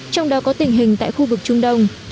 trong đó có tình hình tại khu vực trung đông